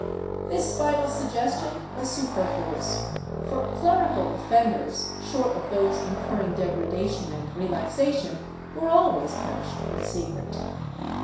^ This final suggestion was super fluous, for clerical offenders, short of those incurring degradation and relaxation, were always punished in secret.